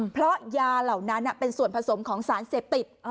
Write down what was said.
เพราะยาเหล่านั้นเป็นส่วนผสมของสารเสพติด